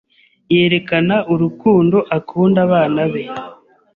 Yerekana urukundo akunda abana be.